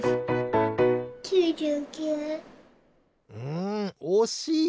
んおしい！